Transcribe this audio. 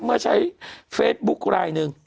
เมื่อใช้เฟซบุ๊คไลน์หนึ่ง